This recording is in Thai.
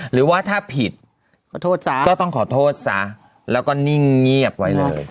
หรือว่าถ้าผิดขอโทษซะก็ต้องขอโทษซะแล้วก็นิ่งเงียบไว้เลย